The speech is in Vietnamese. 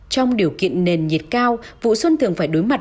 trong điều kiện nền nhiệt cao vụ xuân thường phải đối mặt